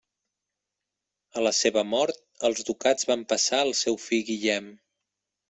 A la seva mort els ducats van passar al seu fill Guillem.